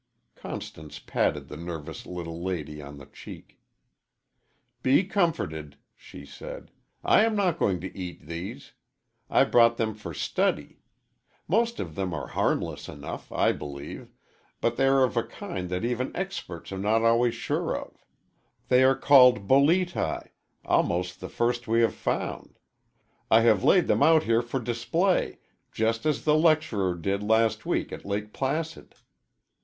Constance patted the nervous little lady on the cheek. "Be comforted," she said. "I am not going to eat these. I brought them for study. Most of them are harmless enough, I believe, but they are of a kind that even experts are not always sure of. They are called Boleti almost the first we have found. I have laid them out here for display, just as the lecturer did last week at Lake Placid."